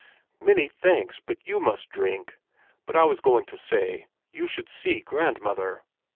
"Many thanks, but you must drink! But I was going to say, you should see grandmother!